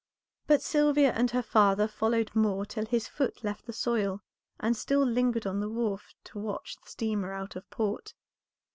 But Sylvia and her father followed Moor till his foot left the soil, and still lingered on the wharf to watch the steamer out of port.